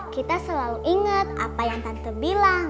kita selalu ingat apa yang tante bilang